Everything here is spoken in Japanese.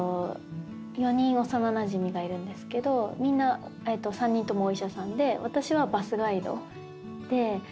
４人幼なじみがいるんですけどみんな３人ともお医者さんで私はバスガイド。